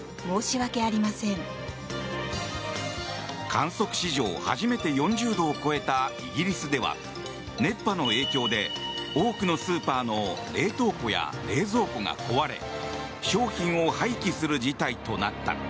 観測史上初めて４０度を超えたイギリスでは熱波の影響で多くのスーパーの冷凍庫や冷蔵庫が壊れ商品を廃棄する事態となった。